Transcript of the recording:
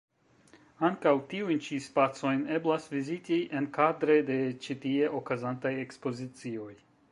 Ankaŭ tiujn ĉi spacojn eblas viziti enkadre de ĉi tie okazantaj ekspozicioj.